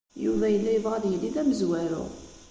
Yuba yella yebɣa ad yili d amezwaru.